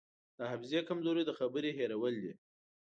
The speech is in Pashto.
د حافظې کمزوري د خبرې هېرول دي.